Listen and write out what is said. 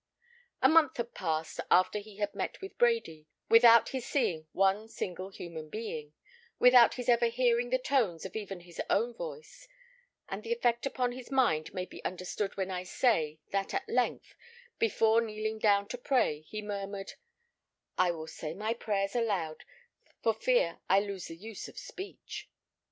A month passed after he had met with Brady without his seeing one single human being, without his ever hearing the tones of even his own voice; and the effect upon his mind may be understood when I say, that at length, before kneeling down to pray, he murmured, "I will say my prayers aloud, for fear I lose the use of speech."